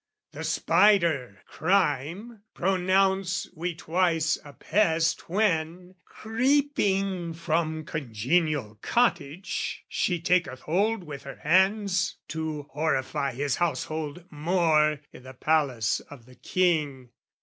The spider, crime, pronounce we twice a pest When, creeping from congenial cottage, she Taketh hold with her hands, to horrify His household more, i' the palace of the king.